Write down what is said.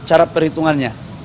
itu cara perhitungannya